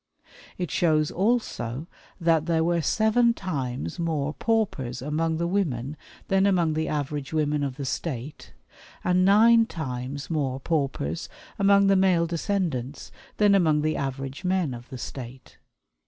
It shows also that there were seven times more paupers among the women than among the average women of the state, and nine times more paupers among the male descendants than among the average men of the state.